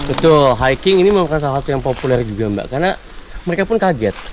betul hiking ini merupakan salah satu yang populer juga mbak karena mereka pun kaget